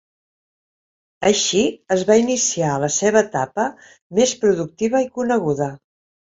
Així es va iniciar la seva etapa més productiva i coneguda.